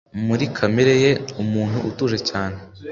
Muri kamere ye ni umuntu utuje cyane.